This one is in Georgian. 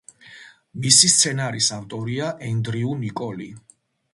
მისი სცენარის ავტორია ენდრიუ ნიკოლი.